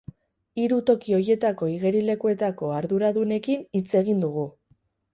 Hiru toki horietako igerilekuetako arduradunekin hitz egin dugu.